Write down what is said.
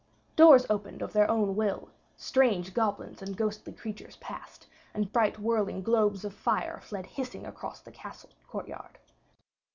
Doors opened of their own will, strange goblins and ghostly creatures passed, and bright, whirling globes of fire fled hissing across the castle courtyard.